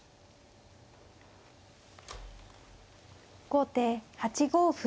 後手８五歩。